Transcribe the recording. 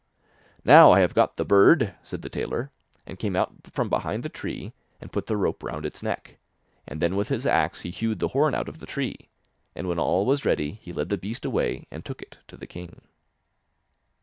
'Now, I have got the bird,' said the tailor, and came out from behind the tree and put the rope round its neck, and then with his axe he hewed the horn out of the tree, and when all was ready he led the beast away and took it to the king.